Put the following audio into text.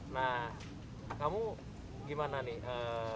nah kamu gimana nih